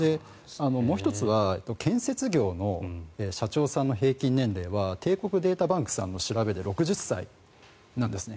もう１つは建設業の社長さんの平均年齢は帝国データバンクさんの調べで６０歳なんですね。